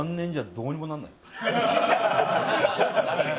どうにもならない。